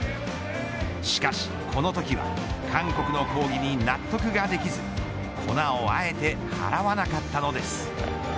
しかし、このときは韓国の抗議に納得ができず粉をあえてはらわなかったんです。